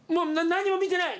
何も見てない！」